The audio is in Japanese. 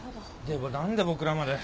でも何で僕らまで？